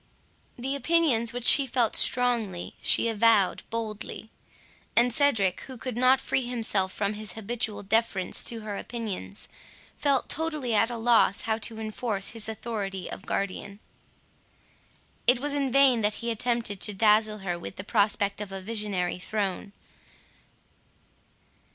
The opinions which she felt strongly, she avowed boldly; and Cedric, who could not free himself from his habitual deference to her opinions, felt totally at a loss how to enforce his authority of guardian. It was in vain that he attempted to dazzle her with the prospect of a visionary throne.